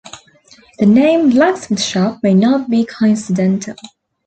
The name "Blacksmith Shop" may not be coincidental.